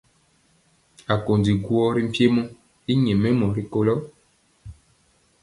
Akondi guɔ ri mpiemɔ y nyɛmemɔ rikolo.